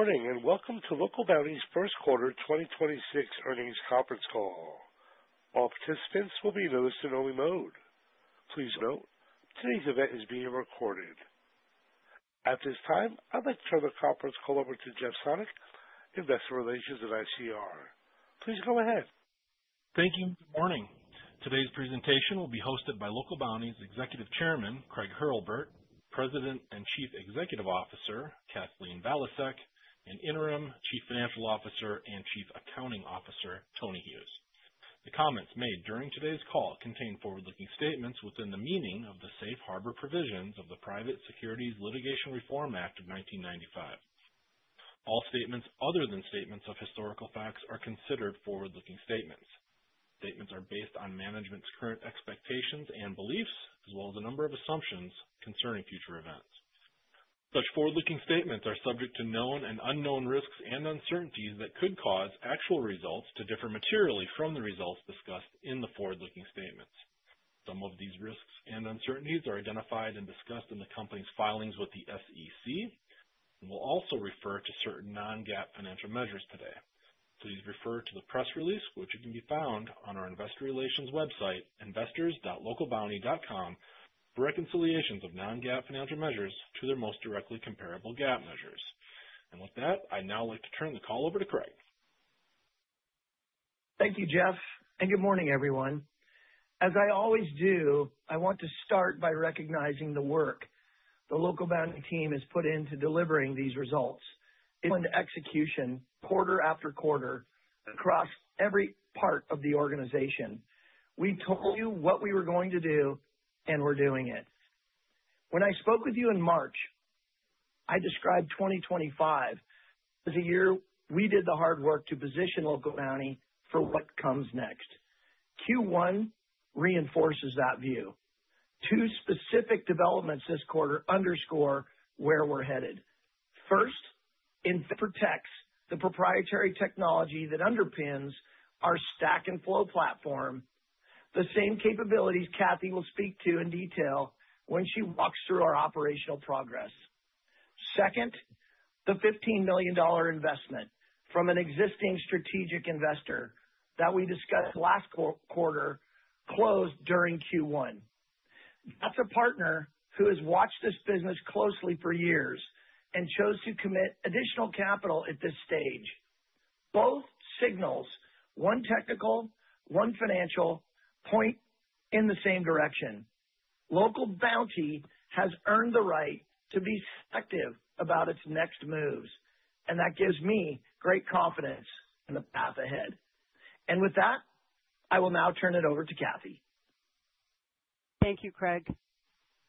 Good morning, and welcome to Local Bounti's first quarter 2026 earnings conference call. All participants will be in listen only mode. Please note, today's event is being recorded. At this time, I'd like to turn the conference call over to Jeff Sonnek, investor relations at ICR. Please go ahead. Thank you. Good morning. Today's presentation will be hosted by Local Bounti's Executive Chairman, Craig Hurlbert, President and Chief Executive Officer, Kathleen Valiasek, and Interim Chief Financial Officer and Chief Accounting Officer, Tony Hughes. The comments made during today's call contain forward-looking statements within the meaning of the Safe Harbor Provisions of the Private Securities Litigation Reform Act of 1995. All statements other than statements of historical facts are considered forward-looking statements. Statements are based on management's current expectations and beliefs, as well as a number of assumptions concerning future events. Such forward-looking statements are subject to known and unknown risks and uncertainties that could cause actual results to differ materially from the results discussed in the forward-looking statements. Some of these risks and uncertainties are identified and discussed in the company's filings with the SEC and will also refer to certain non-GAAP financial measures today. Please refer to the press release, which can be found on our investor relations website, investors.localbounti.com, for reconciliations of non-GAAP financial measures to their most directly comparable GAAP measures. With that, I'd now like to turn the call over to Craig. Thank you, Jeff. Good morning, everyone. As I always do, I want to start by recognizing the work the Local Bounti team has put into delivering these results. Excellent execution quarter after quarter across every part of the organization. We told you what we were going to do, and we're doing it. When I spoke with you in March, I described 2025 as a year we did the hard work to position Local Bounti for what comes next. Q1 reinforces that view. Two specific developments this quarter underscore where we're headed. First, in ProTechs, the proprietary technology that underpins our Stack & Flow platform, the same capabilities Kathy will speak to in detail when she walks through our operational progress. Second, the $15 million investment from an existing strategic investor that we discussed last quarter closed during Q1. That's a partner who has watched this business closely for years and chose to commit additional capital at this stage. Both signals, one technical, one financial, point in the same direction. Local Bounti has earned the right to be selective about its next moves, and that gives me great confidence in the path ahead. With that, I will now turn it over to Kathy. Thank you, Craig.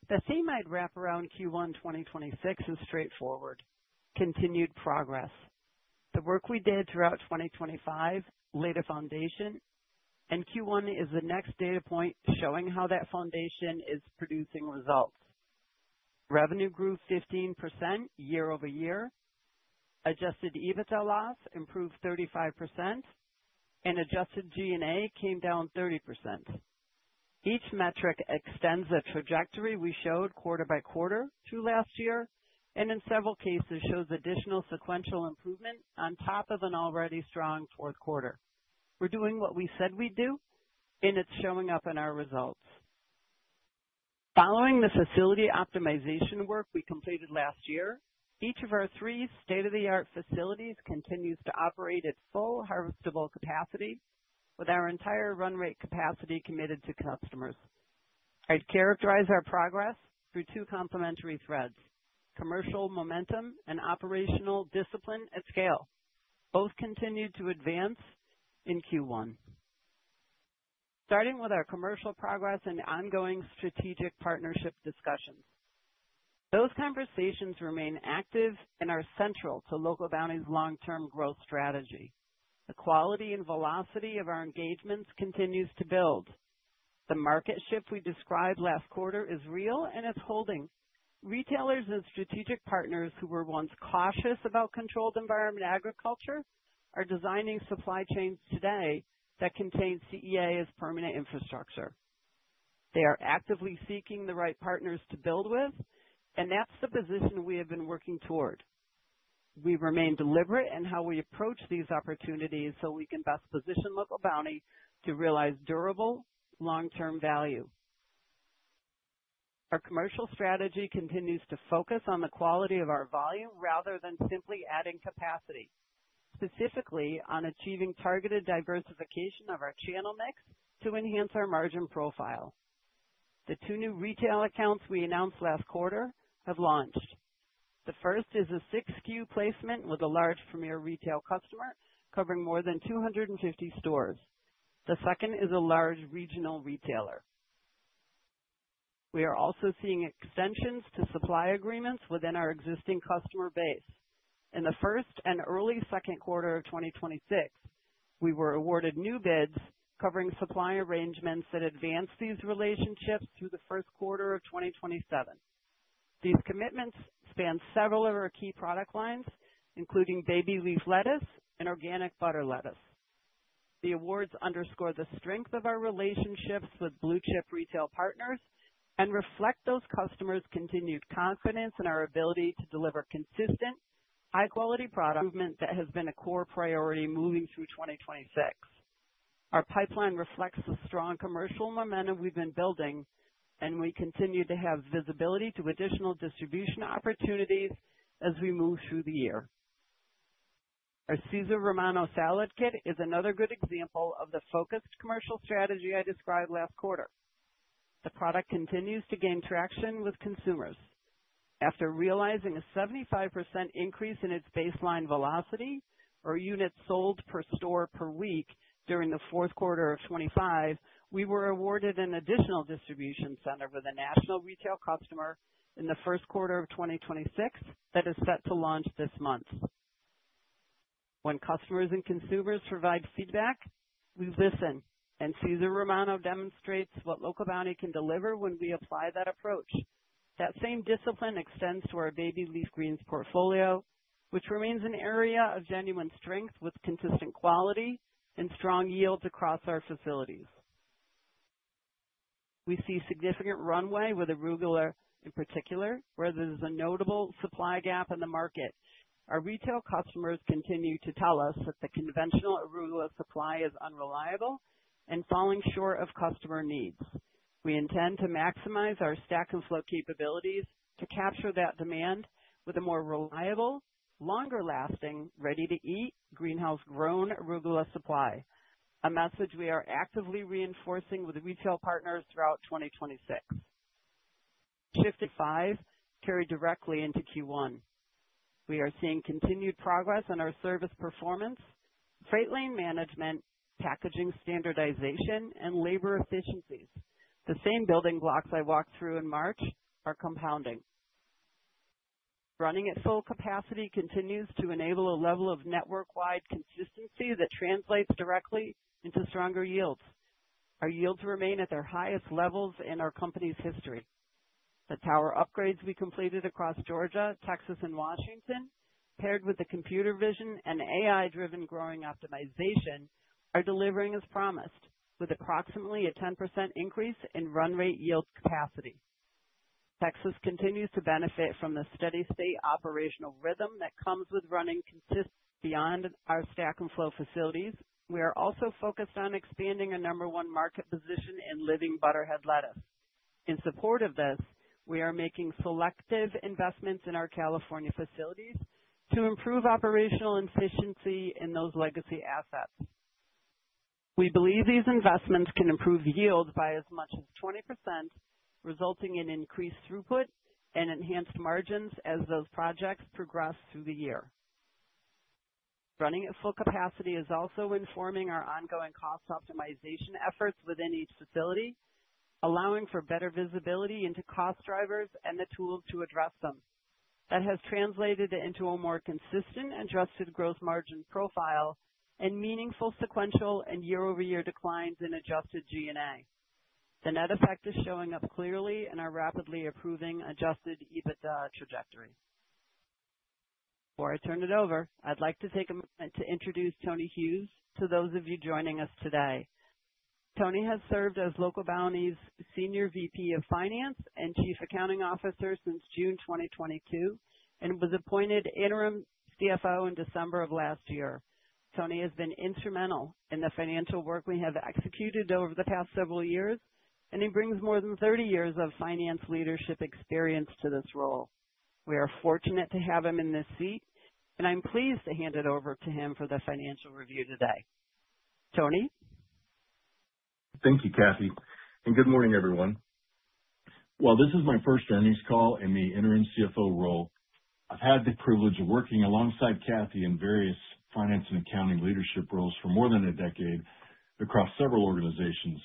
The theme I'd wrap around Q1 2026 is straightforward, continued progress. The work we did throughout 2025 laid a foundation, and Q1 is the next data point showing how that foundation is producing results. Revenue grew 15% year-over-year. Adjusted EBITDA loss improved 35%, and adjusted G&A came down 30%. Each metric extends the trajectory we showed quarter by quarter through last year, and in several cases shows additional sequential improvement on top of an already strong fourth quarter. We're doing what we said we'd do, and it's showing up in our results. Following the facility optimization work we completed last year, each of our three state-of-the-art facilities continues to operate at full harvestable capacity with our entire run rate capacity committed to customers. I'd characterize our progress through two complementary threads, commercial momentum and operational discipline at scale. Both continued to advance in Q1. Starting with our commercial progress and ongoing strategic partnership discussions. Those conversations remain active and are central to Local Bounti's long-term growth strategy. The quality and velocity of our engagements continues to build. The market shift we described last quarter is real and it's holding. Retailers and strategic partners who were once cautious about controlled environment agriculture are designing supply chains today that contain CEA as permanent infrastructure. They are actively seeking the right partners to build with, and that's the position we have been working toward. We remain deliberate in how we approach these opportunities so we can best position Local Bounti to realize durable long-term value. Our commercial strategy continues to focus on the quality of our volume rather than simply adding capacity, specifically on achieving targeted diversification of our channel mix to enhance our margin profile. The two new retail accounts we announced last quarter have launched. The first is a 6-SKU placement with a large premier retail customer covering more than 250 stores. The second is a large regional retailer. We are also seeing extensions to supply agreements within our existing customer base. In the first and early second quarter of 2026, we were awarded new bids covering supply arrangements that advance these relationships through the first quarter of 2027. These commitments span several of our key product lines, including baby leaf lettuce and organic butter lettuce. The awards underscore the strength of our relationships with blue-chip retail partners and reflect those customers' continued confidence in our ability to deliver consistent, high-quality product movement that has been a core priority moving through 2026. Our pipeline reflects the strong commercial momentum we've been building. We continue to have visibility to additional distribution opportunities as we move through the year. Our Caesar Romano Salad Kit is another good example of the focused commercial strategy I described last quarter. The product continues to gain traction with consumers. After realizing a 75% increase in its baseline velocity or units sold per store per week during the fourth quarter of 2025, we were awarded an additional distribution center with a national retail customer in the first quarter of 2026 that is set to launch this month. When customers and consumers provide feedback, we listen, and Caesar Romano demonstrates what Local Bounti can deliver when we apply that approach. That same discipline extends to our baby leaf greens portfolio, which remains an area of genuine strength with consistent quality and strong yields across our facilities. We see significant runway with arugula in particular, where there's a notable supply gap in the market. Our retail customers continue to tell us that the conventional arugula supply is unreliable and falling short of customer needs. We intend to maximize our Stack & Flow capabilities to capture that demand with a more reliable, longer lasting, ready-to-eat greenhouse-grown arugula supply. A message we are actively reinforcing with retail partners throughout 2026. 55 carried directly into Q1. We are seeing continued progress in our service performance, freight lane management, packaging standardization, and labor efficiencies. The same building blocks I walked through in March are compounding. Running at full capacity continues to enable a level of network-wide consistency that translates directly into stronger yields. Our yields remain at their highest levels in our company's history. The tower upgrades we completed across Georgia, Texas, and Washington, paired with the computer vision and AI-driven growing optimization, are delivering as promised with approximately a 10% increase in run rate yield capacity. Texas continues to benefit from the steady state operational rhythm that comes with running consistent beyond our Stack & Flow facilities. We are also focused on expanding a number one market position in living butterhead lettuce. In support of this, we are making selective investments in our California facilities to improve operational efficiency in those legacy assets. We believe these investments can improve yields by as much as 20%, resulting in increased throughput and enhanced margins as those projects progress through the year. Running at full capacity is also informing our ongoing cost optimization efforts within each facility, allowing for better visibility into cost drivers and the tools to address them. That has translated into a more consistent adjusted gross margin profile and meaningful sequential and year-over-year declines in adjusted G&A. The net effect is showing up clearly in our rapidly improving adjusted EBITDA trajectory. Before I turn it over, I'd like to take a moment to introduce Anthony Hughes to those of you joining us today. Tony has served as Local Bounti's Senior VP of Finance and Chief Accounting Officer since June 2022, and was appointed interim CFO in December of last year. Tony has been instrumental in the financial work we have executed over the past several years, and he brings more than 30 years of finance leadership experience to this role. We are fortunate to have him in this seat, and I'm pleased to hand it over to him for the financial review today. Tony? Thank you, Kathy, and good morning, everyone. While this is my first earnings call in the interim CFO role, I've had the privilege of working alongside Kathy in various finance and accounting leadership roles for more than a decade across several organizations.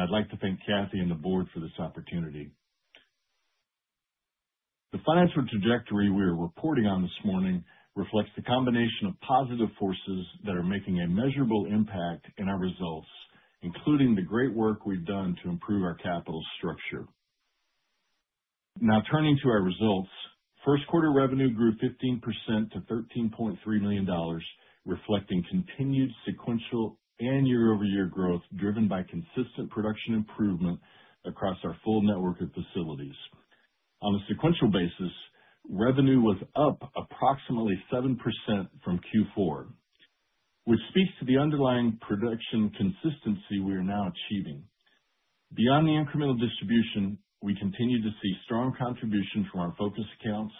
I'd like to thank Kathy and the board for this opportunity. The financial trajectory we are reporting on this morning reflects the combination of positive forces that are making a measurable impact in our results, including the great work we've done to improve our capital structure. Now turning to our results. First quarter revenue grew 15% to $13.3 million, reflecting continued sequential and year-over-year growth driven by consistent production improvement across our full network of facilities. On a sequential basis, revenue was up approximately 7% from Q4, which speaks to the underlying production consistency we are now achieving. Beyond the incremental distribution, we continue to see strong contribution from our focus accounts,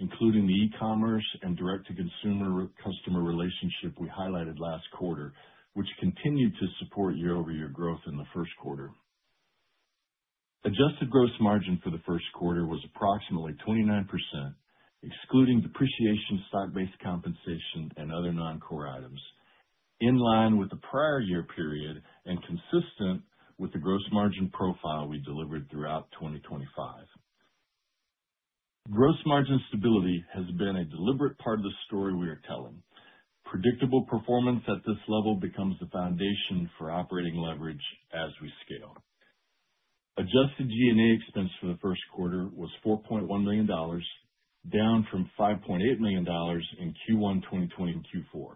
including the e-commerce and direct-to-consumer customer relationship we highlighted last quarter, which continued to support year-over-year growth in the first quarter. Adjusted gross margin for the first quarter was approximately 29%, excluding depreciation, stock-based compensation, and other non-core items, in line with the prior year period and consistent with the gross margin profile we delivered throughout 2025. Gross margin stability has been a deliberate part of the story we are telling. Predictable performance at this level becomes the foundation for operating leverage as we scale. Adjusted G&A expense for the first quarter was $4.1 million, down from $5.8 million in Q1 2025 and Q4.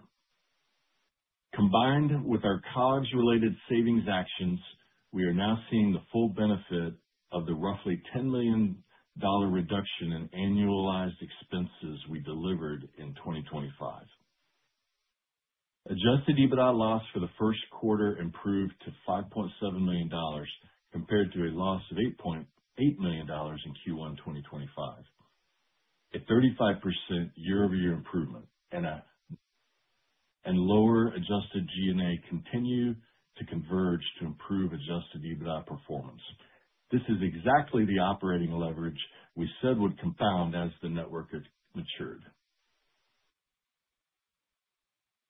Combined with our COGS-related savings actions, we are now seeing the full benefit of the roughly $10 million reduction in annualized expenses we delivered in 2025. Adjusted EBITDA loss for the first quarter improved to $5.7 million compared to a loss of $8.8 million in Q1 2025, a 35% year-over-year improvement. Lower adjusted G&A continue to converge to improve adjusted EBITDA performance. This is exactly the operating leverage we said would compound as the network has matured.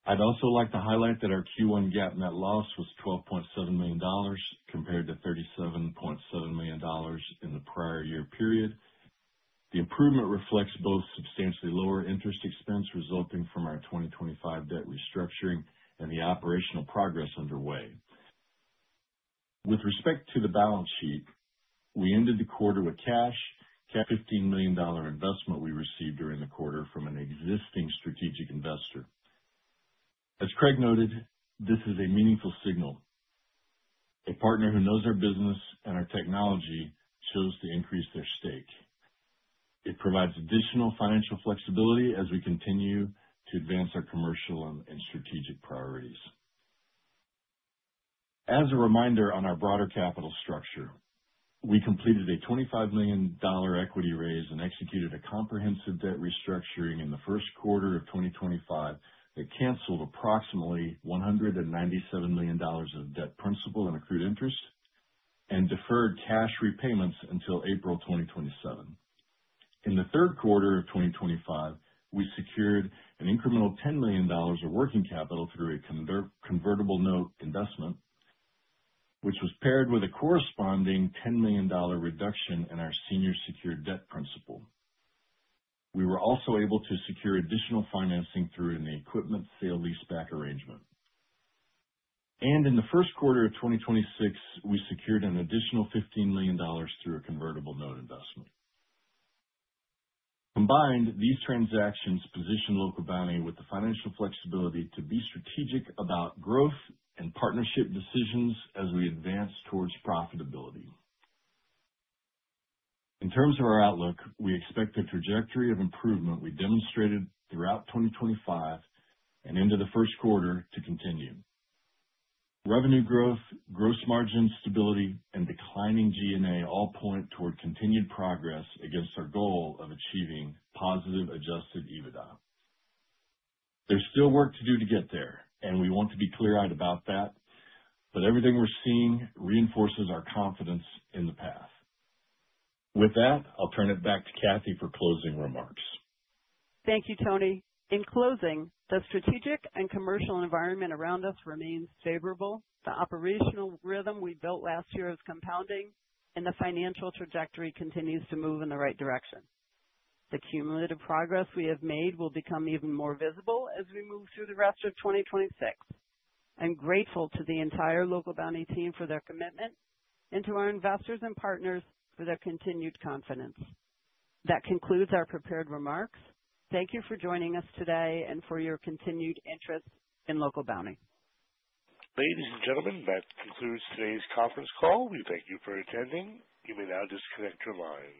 I'd also like to highlight that our Q1 GAAP net loss was $12.7 million compared to $37.7 million in the prior year period. The improvement reflects both substantially lower interest expense resulting from our 2025 debt restructuring and the operational progress underway. With respect to the balance sheet, we ended the quarter with cash- $15 million investment we received during the quarter from an existing strategic investor. As Craig noted, this is a meaningful signal. A partner who knows our business and our technology chose to increase their stake. It provides additional financial flexibility as we continue to advance our commercial and strategic priorities. As a reminder on our broader capital structure, we completed a $25 million equity raise and executed a comprehensive debt restructuring in the first quarter of 2025 that canceled approximately $197 million of debt principal and accrued interest and deferred cash repayments until April 2027. In the third quarter of 2025, we secured an incremental $10 million of working capital through a convertible note investment, which was paired with a corresponding $10 million reduction in our senior secured debt principal. We were also able to secure additional financing through an equipment sale-leaseback arrangement. In the first quarter of 2026, we secured an additional $15 million through a convertible note investment. Combined, these transactions position Local Bounti with the financial flexibility to be strategic about growth and partnership decisions as we advance towards profitability. In terms of our outlook, we expect the trajectory of improvement we demonstrated throughout 2025 and into the first quarter to continue. Revenue growth, gross margin stability, and declining G&A all point toward continued progress against our goal of achieving positive adjusted EBITDA. There's still work to do to get there, and we want to be clear-eyed about that, but everything we're seeing reinforces our confidence in the path. With that, I'll turn it back to Kathy for closing remarks. Thank you, Anthony Hughes. In closing, the strategic and commercial environment around us remains favorable, the operational rhythm we built last year is compounding, and the financial trajectory continues to move in the right direction. The cumulative progress we have made will become even more visible as we move through the rest of 2026. I'm grateful to the entire Local Bounti team for their commitment and to our investors and partners for their continued confidence. That concludes our prepared remarks. Thank you for joining us today and for your continued interest in Local Bounti. Ladies and gentlemen, that concludes today's conference call. We thank you for attending. You may now disconnect your lines.